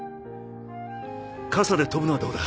傘で飛ぶのはどうだ？